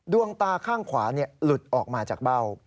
ดวงตาข้างขวาหลุดออกมาจากเบ้า